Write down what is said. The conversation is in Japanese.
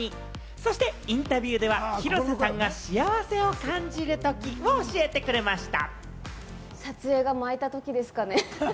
そしてインタビューでは広瀬さんが幸せを感じるときを教えてくれました。